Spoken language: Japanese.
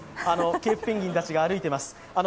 ケープペンギンたちが歩いています。